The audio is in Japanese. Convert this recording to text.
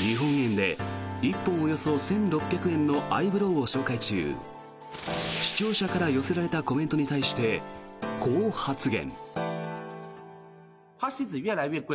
日本円で１本およそ１６００円のアイブローを紹介中視聴者から寄せられたコメントに対してこう発言。